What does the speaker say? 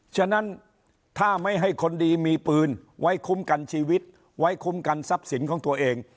ฉะนั้นถ้าไม่ให้คนดีมีปืนไว้คุ้มกันชีวิตไว้คุ้มกันทรัพย์สินของตัวเอง